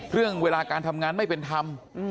เรื่องเวลาการทำงานไม่เป็นธรรม